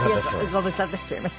ご無沙汰しております。